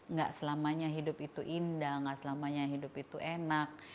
nggak selamanya hidup itu indah nggak selamanya hidup itu enak